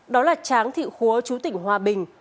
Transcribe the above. đó là tráng thị khúa chú tỉnh hòa bình